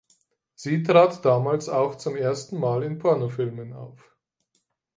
Sie trat damals auch zum ersten Mal in Pornofilmen auf.